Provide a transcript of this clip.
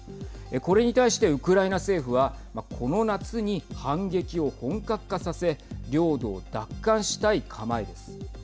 これに対して、ウクライナ政府はこの夏に反撃を本格化させ領土を奪還したい構えです。